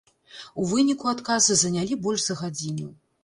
У выніку адказы занялі больш за гадзіну.